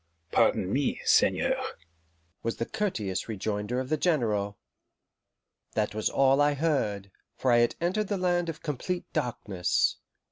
"Ah, pardon me, seigneur," was the courteous rejoinder of the General. That was all I heard, for I had entered the land of complete darkness.